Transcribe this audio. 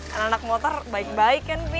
anak anak motor baik baik kan by